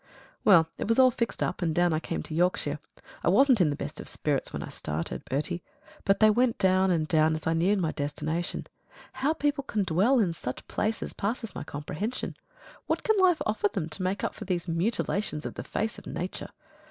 Well, it was all fixed up; and down I came to Yorkshire. I wasn't in the best of spirits when I started, Bertie, but they went down and down as I neared my destination. How people can dwell in such places passes my comprehension. What can life offer them to make up for these mutilations of the face of Nature?